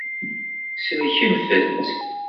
Sellkemt-t.